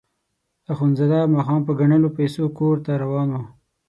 اخندزاده ماښام په ګڼلو پیسو کور ته روان وو.